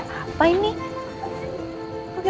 biar suasananya beda